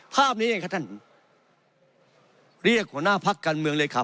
ภาพนี้เองครับท่านเรียกหัวหน้าพักการเมืองเลยครับ